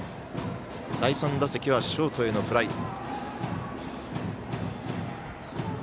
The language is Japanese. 第３打席はショートへのフライ。